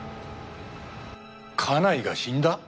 家内が死んだ？